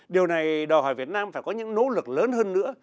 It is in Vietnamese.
điều này đòi hỏi việt nam phải có những nỗ lực lớn hơn nữa